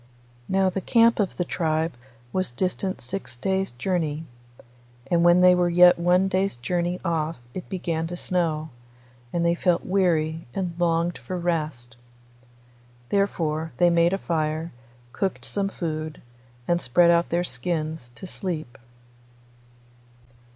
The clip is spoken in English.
Now the camp of the tribe was distant six days' journey, and when they were yet one day's journey off it began to snow, and they felt weary and longed for rest. Therefore they made a fire, cooked some food, and spread out their skins to sleep.